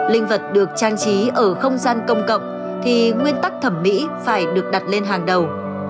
linh vật được trang trí ở không gian công cộng thì nguyên tắc thẩm mỹ phải được đặt lên hàng đầu